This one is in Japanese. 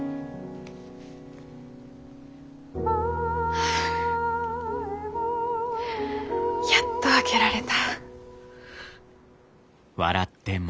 はあやっと開けられた。